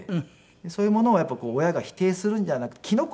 そういうものをやっぱり親が否定するんではなくて「キノコ！？」